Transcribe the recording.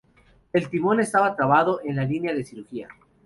El timón estaba trabado en la línea de crujía.